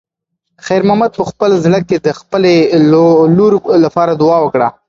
خیر محمد په خپل زړه کې د خپلې لور لپاره دعا وکړه.